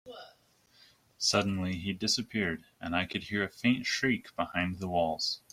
Suddenly, he disappeared, and I could hear a faint shriek behind the walls.